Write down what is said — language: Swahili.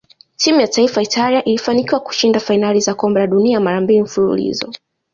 Timu ya taifa Italia ilifanikiwa kushinda fainali za kombe la dunia mara mbili mfululizo